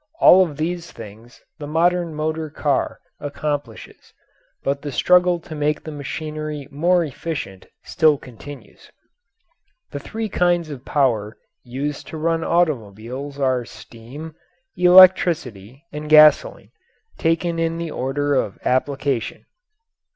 All of these things the modern motor car accomplishes, but the struggle to make the machinery more efficient still continues. The three kinds of power used to run automobiles are steam, electricity, and gasoline, taken in the order of application.